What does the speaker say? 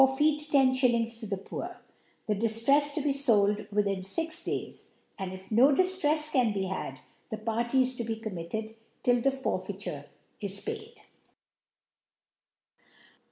ftit Ten Shillings to the Poor ; the Diftrcfs to be fold within (ix Days ; .and if no*Dif trefs can be had, the Farty is to be :comnlif* ted» till the Forfeiture n paid.